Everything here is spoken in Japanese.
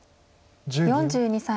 ４２歳。